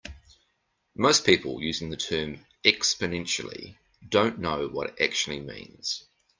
Most people using the term "exponentially" don't know what it actually means.